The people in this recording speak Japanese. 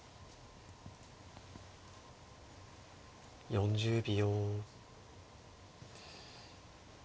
４０秒。